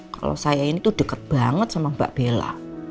kalau saya ini tuh deket banget sama mbak bella